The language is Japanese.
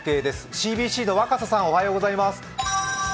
ＣＢＣの若狭さん、おはようございます。